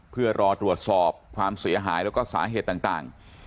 เพื่อรอตรวจสอบความเสียหายแล้วก็สาเหตุต่าง